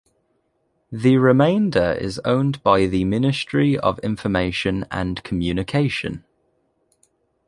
The remainder is owned by the Ministry of Information and Communication.